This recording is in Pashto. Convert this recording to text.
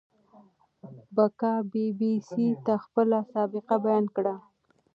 بکا بي بي سي ته خپله سابقه بيان کړه.